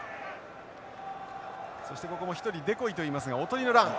そしてここも一人デコイといいますがおとりのラン。